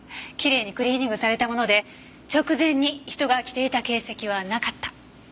きれいにクリーニングされたもので直前に人が着ていた形跡はなかった。